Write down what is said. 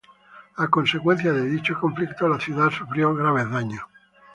A consecuencia de dicho conflicto, la ciudad sufrió graves daños.